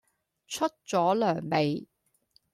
出左糧未?